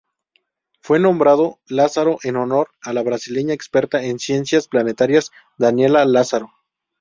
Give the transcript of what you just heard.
Fue nombrado Lazzaro en honor a la brasileña experta en ciencias planetarias Daniela Lazzaro.